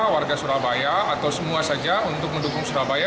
warga surabaya atau semua saja untuk mendukung surabaya